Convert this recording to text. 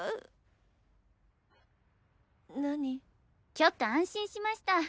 ちょっと安心しました。